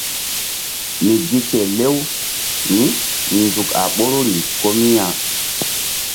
Mi gi ke lew mínzuk a ɓoruri ko mi ya.